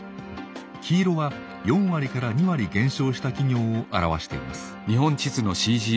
黄色は４割から２割減少した企業を表しています。